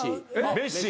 メッシは？